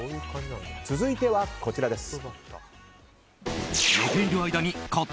続いては、こちらです。